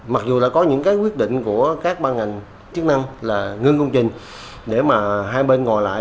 mặc dù đã có những cái quyết định của các ban ngành chức năng là ngưng công trình để mà hai bên ngồi lại